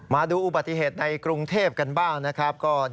มาดูอุบัติเหตุในกรุงเทพกันบ้างนะครับ